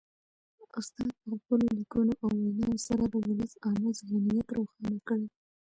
استاد په خپلو لیکنو او ویناوو سره د ولس عامه ذهنیت روښانه کوي.